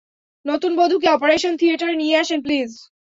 নতুন বধূকে operation theatre নিয়ে আসেন, প্লিজ।